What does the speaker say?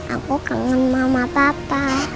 aku kangen mama papa